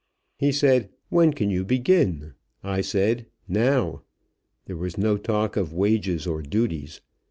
He said, "When can you begin?" I said, "Now." There was no talk of wages or duties.